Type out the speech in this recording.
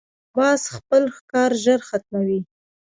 باز خپل ښکار ژر ختموي